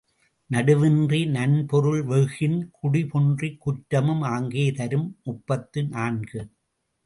நடுவின்றி நன்பொருள் வெஃகின் குடிபொன்றிக் குற்றமும் ஆங்கே தரும் முப்பத்து நான்கு.